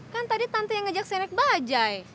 kan tadi tante yang ngajak saya naik bajai